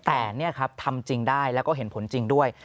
แต่นี่ครับทำจริงได้แล้วก็เห็นผลจริงด้วย